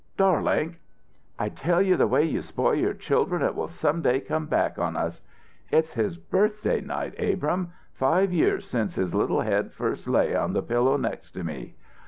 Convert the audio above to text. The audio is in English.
"Darlink " "I tell you the way you spoil your children it will some day come back on us." "It's his birthday night, Abrahm five years since his little head first lay on the pillow next to me."